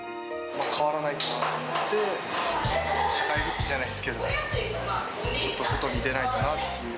変わらないとなと思って、社会復帰じゃないですけど、ちょっと外に出ないとなっていう。